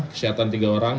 kesehatan tiga orang